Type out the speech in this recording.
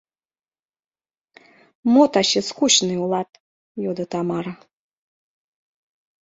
— Мо таче скучный улат? — йодо Тамара.